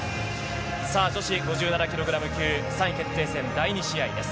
女子５７キログラム級３位決定戦第２試合です。